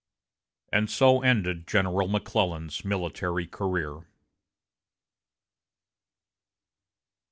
And so ended General McClellan's military career.